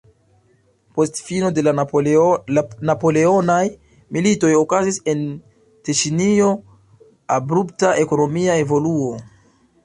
Post fino de la napoleonaj militoj okazis en Teŝinio abrupta ekonomia evoluo.